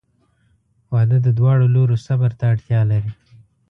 • واده د دواړو لورو صبر ته اړتیا لري.